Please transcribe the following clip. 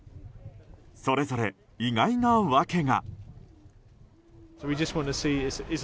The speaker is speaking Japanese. それぞれ意外な訳が。